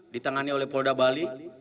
ditangani oleh polda bali